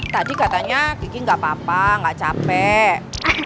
tadi katanya kiki gak apa apa gak capek